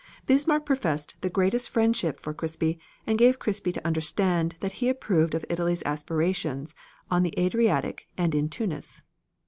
Bismarck professed the greatest friendship for Crispi, and gave Crispi to understand that he approved of Italy's aspirations on the Adriatic and in Tunis.